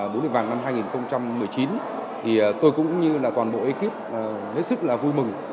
bố mẹ vàng năm hai nghìn một mươi chín thì tôi cũng như là toàn bộ ekip hết sức là vui mừng